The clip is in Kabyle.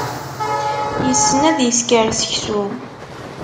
Yessen ad isker seksu.